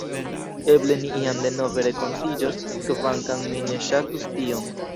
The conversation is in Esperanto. Eble ni iam denove renkontiĝos, kvankam mi ne ŝatus tion.